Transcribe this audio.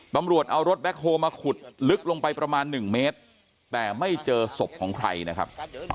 ตำรวจเอารถแบ็คโฮลมาขุดลึกลงไปประมาณ๑เมตรแต่ไม่เจอศพของใครนะครับ